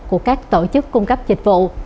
của các tổ chức cung cấp dịch vụ